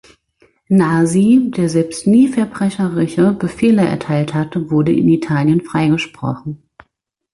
Nasi, der selbst nie verbrecherische Befehle erteilt hatte, wurde in Italien freigesprochen.